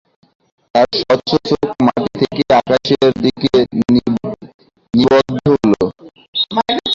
তার স্বচ্ছ চোখ মাটি থেকে আকাশের দিকে নিবদ্ধ হল।